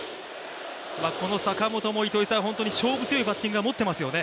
坂本も勝負強いバッティングを持っていますよね。